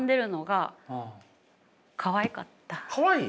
かわいい？